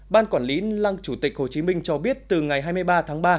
ban quản lý lăng chủ tịch hồ chí minh cho biết từ ngày hai mươi ba tháng ba